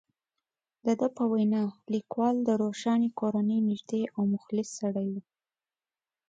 د ده په وینا، لیکوال د روښاني کورنۍ نږدې او مخلص سړی وو.